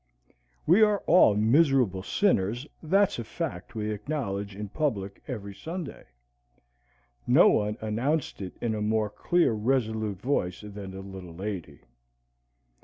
We are all miserable sinners that's a fact we acknowledge in public every Sunday no one announced it in a more clear resolute voice than the little lady.